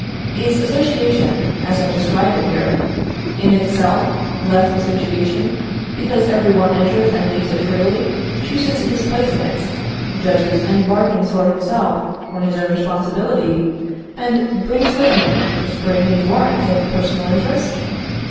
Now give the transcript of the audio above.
Is association, as I describe it here, in itself less association, because every one enters and leaves it freely, chooses his place in it, judges and bargains for himself on his own responsibility, and brings with him the spring and warrant of personal interest?